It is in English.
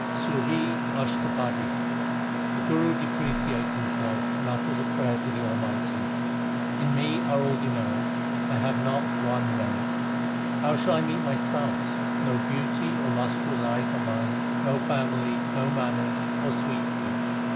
SUHI ASHTAPADI The Guru depreciates himself, and utters a prayer to the Almighty : In me are all demerits ; I have not one merit : How shall I meet my Spouse ? No beauty or lustrous eyes are mine, No family, no manners, or sweet speech.